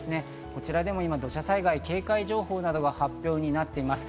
こちらでも今、土砂災害警戒情報などが発表になっています。